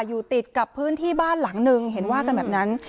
อยู่ติดกับพื้นที่บ้านหลังนึงเห็นว่ากันแบบนั้น